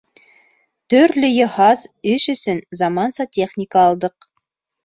Төрлө йыһаз, эш өсөн заманса техника алдыҡ.